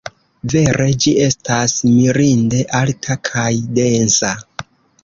Vere, ĝi estas mirinde alta kaj densa.